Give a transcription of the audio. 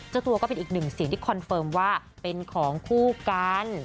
เจ้าตัวก็เป็นอีกหนึ่งเสียงที่คอนเฟิร์มว่าเป็นของคู่กัน